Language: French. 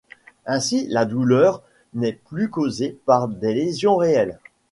Ainsi, la douleur n'est plus causée par des lésions réelles.